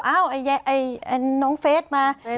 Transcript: อ้าวไอ้น้องเฟซมา